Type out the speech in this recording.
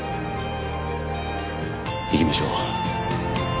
行きましょう。